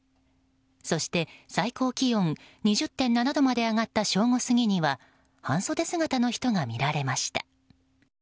そして、最高気温２０．７度まで上がった正午過ぎには半袖姿の人が見られました。